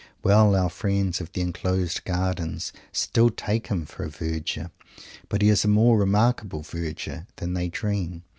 Well, our friends of the "enclosed gardens" still take him for a Verger. But he is a more remarkable Verger than they dream.